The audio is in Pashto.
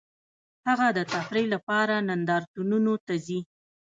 هغه د تفریح لپاره نندارتونونو ته ځي